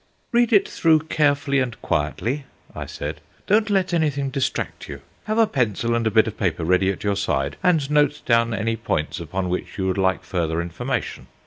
"Read it through carefully and quietly," I said; "don't let anything distract you. Have a pencil and a bit of paper ready at your side, and note down any points upon which you would like further information.